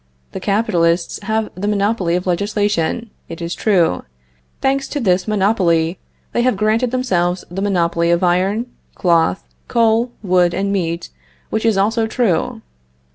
The capitalists have the monopoly of legislation, it is true. Thanks to this monopoly, they have granted themselves the monopoly of iron, cloth, coal, wood and meat, which is also true.